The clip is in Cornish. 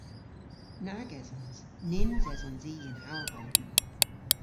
Nag esons. Nyns esons i yn Alban.